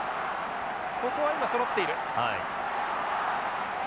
ここは今そろっている。